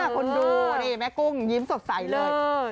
คุณดูนี่แม่กุ้งยิ้มสดใสเลย